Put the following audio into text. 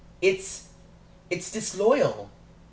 It's it's disloyal.